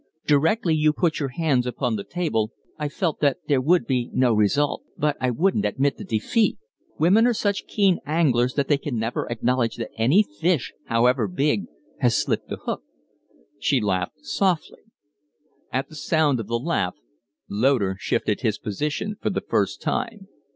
Directly you put your hands upon the table I felt that there would be no result; but I wouldn't admit the defeat. Women are such keen anglers that they can never acknowledge that any fish, however big, has slipped the hook." She laughed softly. At the sound of the laugh Loder shifted his position for the first time.